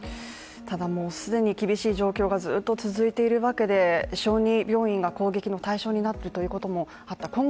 ただ既に厳しい状況がずっと続いているわけで小児病院が攻撃の対象になったということもあった、